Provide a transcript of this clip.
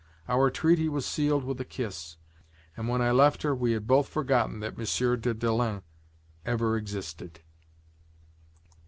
Our treaty was sealed with a kiss, and when I left her we had both forgotten that M. de Dalens ever existed.